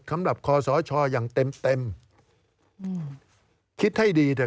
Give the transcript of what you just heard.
การเลือกตั้งครั้งนี้แน่